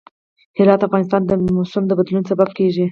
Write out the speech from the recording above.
هرات د افغانستان د موسم د بدلون سبب کېږي.